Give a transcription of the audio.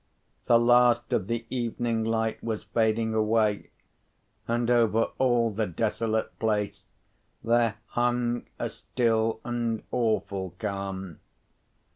The last of the evening light was fading away; and over all the desolate place there hung a still and awful calm.